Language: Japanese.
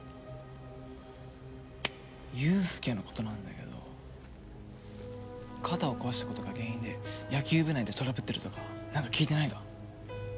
雄亮の事なんだけど肩を壊した事が原因で野球部内でトラブってるとかなんか聞いてないか？